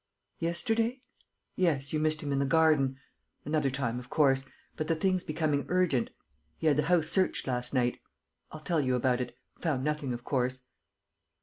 ... Yesterday? ... Yes, you missed him in the garden. ... Another time, of course; but the thing's becoming urgent. ... He had the house searched last night. ... I'll tell you about it. ... Found nothing, of course.